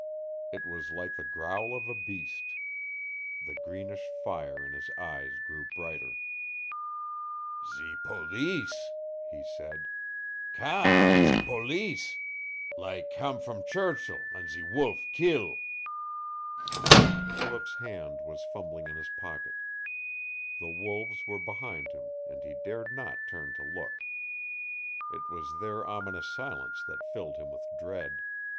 It was like the growl of a beast. The greenish fire in his eyes grew brighter. "Ze poleece," he said. "KA, ze poleece like kam from Churchill an' ze wolve keel!" Philip's hand was fumbling in his pocket. The wolves were behind him and he dared not turn to look. It was their ominous silence that filled him with dread.